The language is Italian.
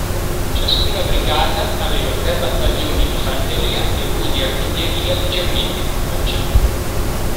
Ciascuna brigata aveva tre battaglioni di fanteria e uno di artiglieria leggermente equipaggiato.